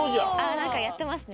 何かやってますね